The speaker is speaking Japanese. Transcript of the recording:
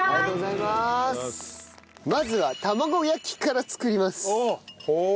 まずは玉子焼きから作ります。